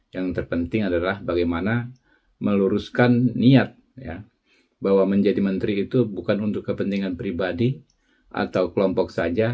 yang terpenting adalah bagaimana meluruskan niat bahwa menjadi menteri itu bukan untuk kepentingan pribadi atau kelompok saja